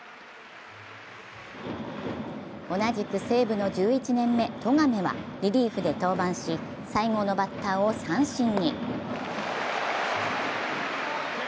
同じく西武の１１年目、十亀はリリ−フで登板し、最後のバッターを三振に。